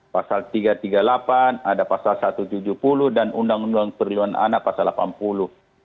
pasal tiga ratus tiga puluh delapan ada pasal satu ratus tujuh puluh dan undang undang perlindungan anak pasal delapan puluh